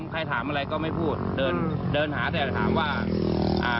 ใครถามอะไรก็ไม่พูดเดินหาแต่ถามว่า